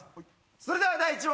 それでは第１問。